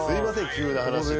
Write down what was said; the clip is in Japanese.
急な話で。